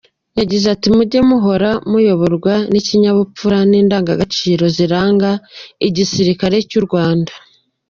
Yagize ati “Mujye muhora muyoborwa n’ikinyabupfura n’indangagaciro ziranga igisirikare cy’u Rwanda.